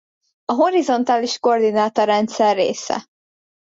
A horizontális koordináta-rendszer része.